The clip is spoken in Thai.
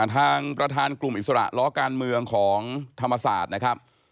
ทางประธานกลุ่มอิสระล้อการเมืองของธรรมศาสตร์นะครับ